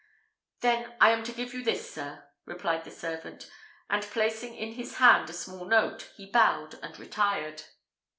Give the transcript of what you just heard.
"Then I am to give you this, sir," replied the servant, and, placing in his hand a small note, he bowed and retired.